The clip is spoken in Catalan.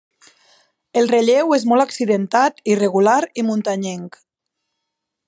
El relleu és molt accidentat, irregular i muntanyenc.